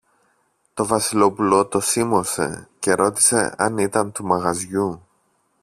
Το Βασιλόπουλο το σίμωσε και ρώτησε αν ήταν του μαγαζιού.